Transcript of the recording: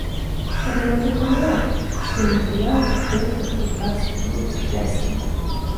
Але на тых умовах, што і матэрыялы, і тэхніка, і праца будуць кітайскія.